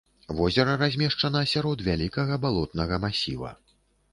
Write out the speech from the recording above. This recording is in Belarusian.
Возера размешчана сярод вялікага балотнага масіва.